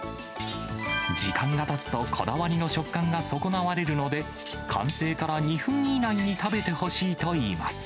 時間がたつと、こだわりの食感が損なわれるので、完成から２分以内に食べてほしいといいます。